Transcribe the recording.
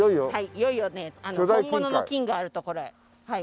いよいよね本物の金がある所へ参りましょう。